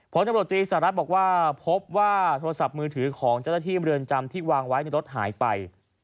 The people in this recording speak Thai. ตำรวจตรีสหรัฐบอกว่าพบว่าโทรศัพท์มือถือของเจ้าหน้าที่เมืองจำที่วางไว้ในรถหายไป